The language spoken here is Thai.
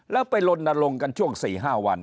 แล้วไปลนอลงกันช่วงสี่ห้าวัน